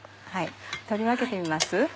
取り分けてみます？